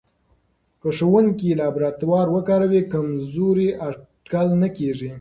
که ښوونکی لابراتوار وکاروي، کمزوری اټکل نه کېږي.